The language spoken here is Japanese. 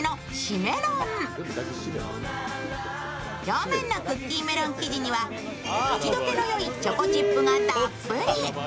表面のクッキーメロン生地には口溶けの良いチョコチップがたっぷり。